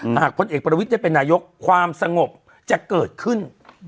หากพนเอกประวิษทธิ์จะเป็นหนาโยคความสงบจะเกิดขึ้น